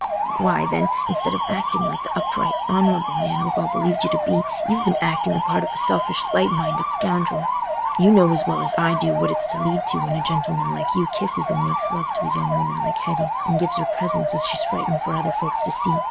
"Why, then, instead of acting like th' upright, honourable man we've all believed you to be, you've been acting the part of a selfish light minded scoundrel. You know as well as I do what it's to lead to when a gentleman like you kisses and makes love to a young woman like Hetty, and gives her presents as she's frightened for other folks to see.